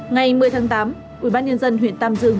ngày một mươi tháng tám ubnd huyện tam dương